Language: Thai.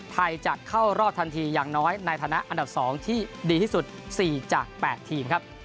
ไทยจะเข้ารอบทันทีอย่างน้อยในฐานะอันดับ๒ที่ดีที่สุด๔จาก๘ทีมครับ